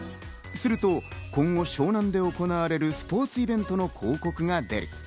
すると今後、湘南で行われるスポーツイベントの広告が出る。